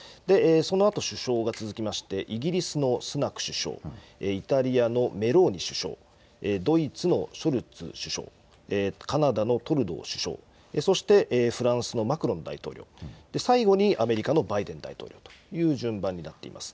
そのあと首相が続きまして、イギリスのスナク首相、イタリアのメローニ首相、ドイツのショルツ首相、カナダのトルドー首相、そしてフランスのマクロン大統領、最後にアメリカのバイデン大統領という順番になっています。